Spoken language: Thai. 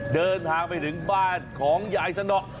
เดินทางไปถึงบ้านของยายสนอ